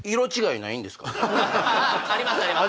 ああありますあります